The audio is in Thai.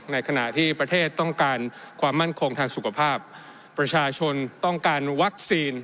ในขณะที่ประเทศต้องการความมั่นคงทางสุขภาพประชาชนต้องการวัคซีน